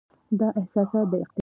دا احساسات د اقتدار اصلي سرچینه ګڼي.